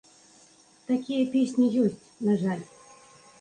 Такія песні ёсць, на жаль.